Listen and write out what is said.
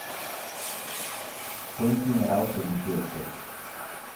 Fue incinerado según su deseo.